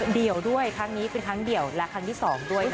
เดียวด้วยครั้งนี้เป็นครั้งเดียวและครั้งที่๒ด้วยนะคะ